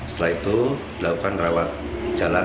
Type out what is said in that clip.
setelah itu dilakukan rawat jalan